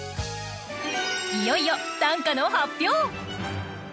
いよいよ短歌の発表！